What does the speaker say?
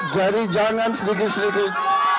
jadi jangan sedikit sedikit